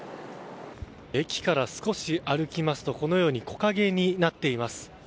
駅から少し歩きますと木陰になっています。